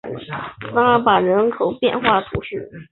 萨勒诺夫人口变化图示